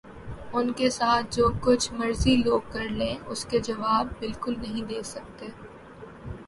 ان کے ساتھ جو کچھ مرضی لوگ کر لیں اس کے جواب بالکل نہیں دے سکتے